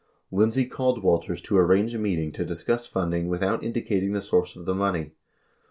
76 Lindsey called Walters to arrange a meeting to discuss funding without indicating the source of the money.